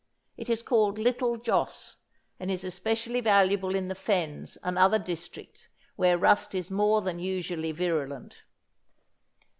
It is called Little Joss and is especially valuable in the Fens and other districts where rust is more than usually virulent.